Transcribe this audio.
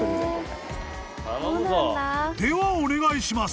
［ではお願いします］